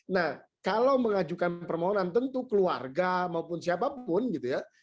nah kalau mengajukan permohonan tentu keluarga maupun siapapun gitu ya